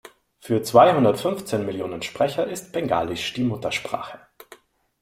Für zweihundertfünfzehn Millionen Sprecher ist Bengalisch die Muttersprache.